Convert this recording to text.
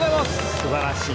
すばらしい。